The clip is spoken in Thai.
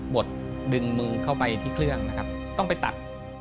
ดดึงมือเข้าไปที่เครื่องนะครับต้องไปตัด